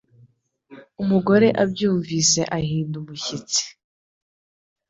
Umugore abyumvise ahinda umushyitsi.